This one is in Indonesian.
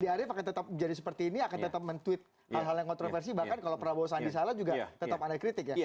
di arief akan tetap menjadi seperti ini akan tetap mentweet hal hal yang kontroversi bahkan kalau prabowo sandi salah juga tetap ada kritik ya